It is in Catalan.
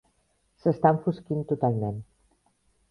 S'està enfosquint totalment.